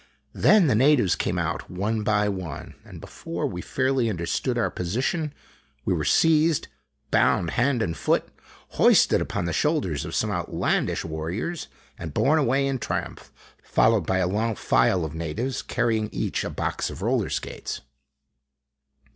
Then the na tives came out one by one, and before we fairly understood our posi tion w r e were seized, bound hand and foot, hoisted upon the shoulders of some outlandish warriors, and borne away in triumph, followed by a long file of natives, carrying each a box of roller skates.